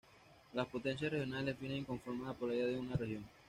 Las potencias regionales definen y conforman la polaridad de una región.